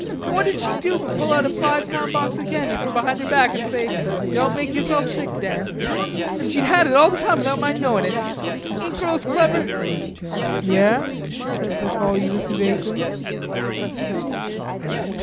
An' what did she do but pull out a five pound box o' candy from behind her back an' say, 'Don't make yerself sick, Dan.' An' she'd had it all the time without my knowin' it. Ain't girls clever?" "Yare," said the tall youth vaguely.